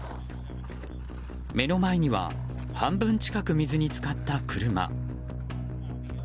目の前には半分近く水に浸かった車。